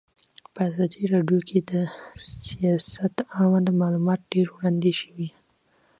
په ازادي راډیو کې د سیاست اړوند معلومات ډېر وړاندې شوي.